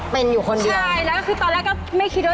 เป็นอยู่คนเดียวใช่แล้วก็คือตอนแรกก็ไม่คิดว่า